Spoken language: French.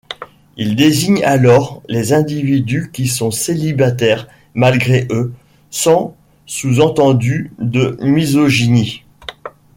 Ils désignent alors les individus qui sont célibataires malgré eux, sans sous-entendu de misogynie.